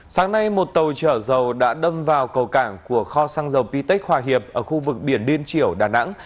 sáng nay một tàu chở dầu đã đâm vào cầu cảng của kho xăng dầu p tech hòa hiệp ở khu vực biển điên triểu đà nẵng